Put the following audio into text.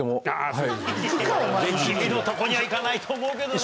君のとこには行かないと思うけどな。